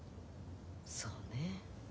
そうね。